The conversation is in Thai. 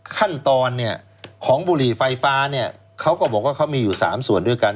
ขั้นตอนเนี่ยของบุหรี่ไฟฟ้าเนี่ยเขาก็บอกว่าเขามีอยู่๓ส่วนด้วยกัน